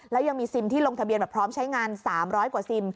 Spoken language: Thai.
แล้วยังมีซิมที่ลงทะเบียนแบบพร้อมใช้งาน๓๐๐กว่าซิม